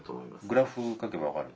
グラフ描けば分かる。